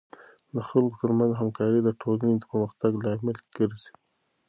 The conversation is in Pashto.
د خلکو ترمنځ همکاري د ټولنې د پرمختګ لامل ګرځي.